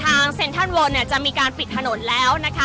เชื่อหรือเกินค่ะคุณผู้ชมว่าข้ามคืนนี้นะคะแสงเพียรนับพันนับร้อยเล่มนะคะ